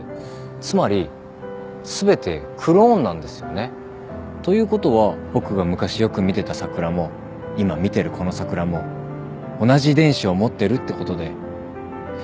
つまり全てクローンなんですよね。ということは僕が昔よく見てた桜も今見てるこの桜も同じ遺伝子を持ってるってことで。